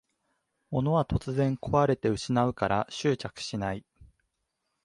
物は突然こわれて失うから執着しない